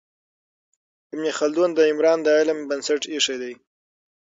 ابن خلدون د عمران د علم بنسټ ایښی دی.